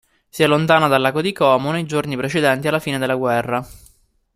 Si allontana dal lago di Como nei giorni precedenti la fine della guerra.